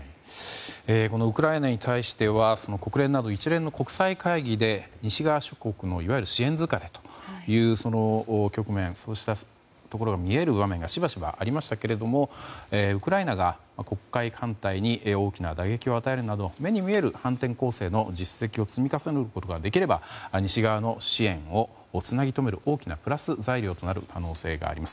このウクライナに対しては国連など一連の国際会議で西側諸国のいわゆる支援疲れという局面そうしたところが見える場面がしばしばありましたけれどもウクライナが黒海艦隊に大きな打撃を与えるなどの目に見える反転攻勢の実績を積み重ねることができれば西側の支援をつなぎ止める大きなプラス材料になる可能性があります。